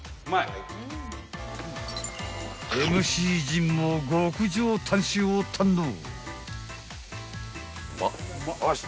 ［ＭＣ陣も極上タン塩を堪能］